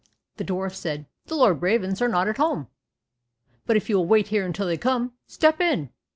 The dwarf said, "The lord ravens are not at home, but if you will wait here until they come, step in."